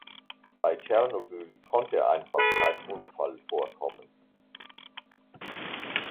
Bei Tschernobyl konnte einfach kein Unfall vorkommen.